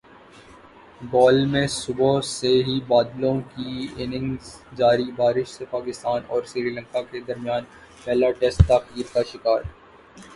گال میں صبح سے ہی بادلوں کی اننگز جاری بارش سے پاکستان اور سری لنکا کے درمیان پہلا ٹیسٹ تاخیر کا شکار